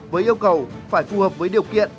với yêu cầu phải phù hợp với điều kiện